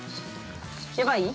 やばい？